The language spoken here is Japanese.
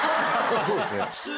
そうですね。